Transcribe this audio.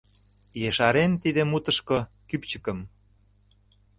Ешарен тиде мутышко кӱпчыкым